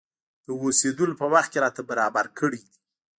د اوسېدلو په وخت کې راته برابر کړي دي.